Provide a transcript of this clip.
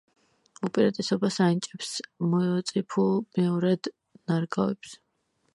უპირატესობას ანიჭებს მოწიფულ მეორად ნარგავებს.